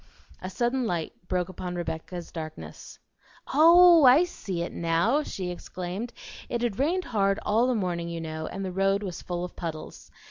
A sudden light broke upon Rebecca's darkness. "Oh! I see it now," she exclaimed. "It had rained hard all the morning, you know, and the road was full of puddles.